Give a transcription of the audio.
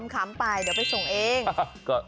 คำไปเดี๋ยวไปส่งเอง